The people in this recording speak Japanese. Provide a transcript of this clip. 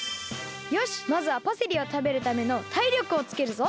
よしまずはパセリをたべるためのたいりょくをつけるぞ。